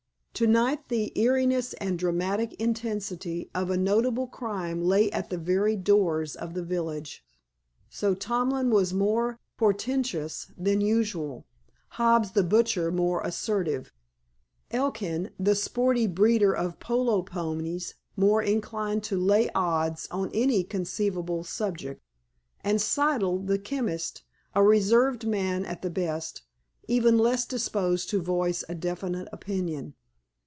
To night the eeriness and dramatic intensity of a notable crime lay at the very doors of the village. So Tomlin was more portentous than usual; Hobbs, the butcher, more assertive, Elkin, the "sporty" breeder of polo ponies, more inclined to "lay odds" on any conceivable subject, and Siddle, the chemist, a reserved man at the best, even less disposed to voice a definite opinion.